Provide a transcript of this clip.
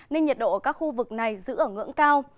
nên nhiệt độ ở các khu vực này giữ ở ngưỡng cao